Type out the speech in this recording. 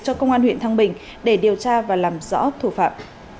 cho công an huyện thăng bình để điều tra và làm rõ thủ phạm